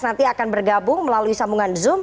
nanti akan bergabung melalui sambungan zoom